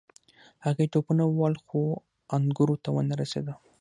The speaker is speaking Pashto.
هغې ټوپونه ووهل خو انګورو ته ونه رسیده.